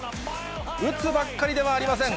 打つばっかりではありません。